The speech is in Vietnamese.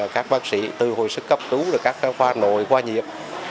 các bác sĩ từ hồi sức cấp cứu các khoa nội khoa nhiệm